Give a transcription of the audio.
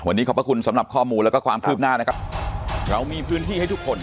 วันนี้ขอบพระคุณสำหรับข้อมูลแล้วก็ความคืบหน้านะครับเรามีพื้นที่ให้ทุกคน